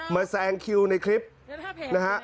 แซงคิวในคลิปนะฮะ